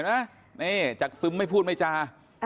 นี่จากซึมไม่พูดไม่จา